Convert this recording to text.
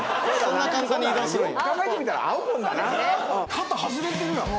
肩外れてるやん。